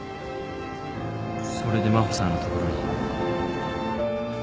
それで真帆さんの所に。